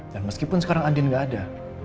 dan meskipun sekarang andin gak ada